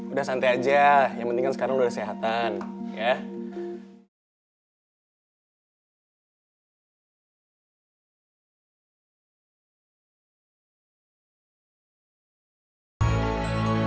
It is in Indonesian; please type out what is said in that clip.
udah santai aja yang penting sekarang udah kesehatan ya